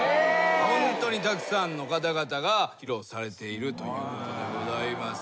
ホントにたくさんの方々が披露されているということでございます。